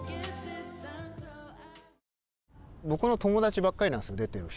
僕の友だちばっかりなんですよ出てる人。